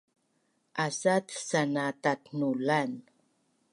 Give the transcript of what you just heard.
asat sana tatnulan